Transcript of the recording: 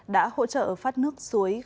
đã hỗ trợ phát nước suối khăn đào